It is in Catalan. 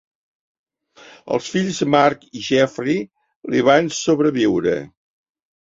Els fills Marc i Jeffrey li van sobreviure.